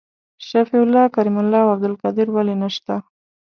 شفیع الله کریم الله او عبدالقادر ولي نسته؟